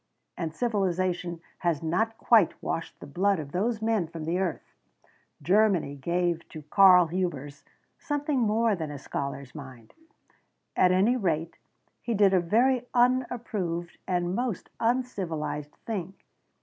And civilisation has not quite washed the blood of those men from the earth. Germany gave to Karl Hubers something more than a scholar's mind. At any rate, he did a very unapproved and most uncivilised thing.